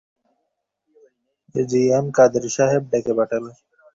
AGM Kader Saheb ডেকে পাঠালেন।